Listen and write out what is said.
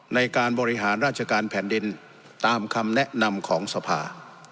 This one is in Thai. ในการบริหารราชการแผ่นดินตามคำแนะนำของสภา